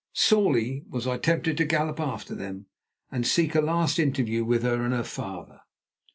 Sorely was I tempted to gallop after them and seek a last interview with her and her father.